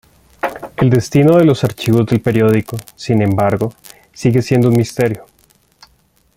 El destino de los archivos del periódico, sin embargo, sigue siendo un misterio.